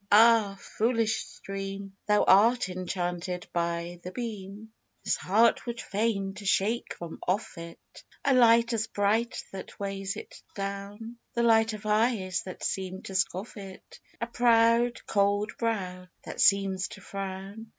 Ah ! fooHsh stream ! Thou art enchanted by the beam ! Moonlight. This heart would fain to shake from off it A light as bright that weighs it down, The light of eyes that seem to scoff it, A proud cold brow, that seems to frown.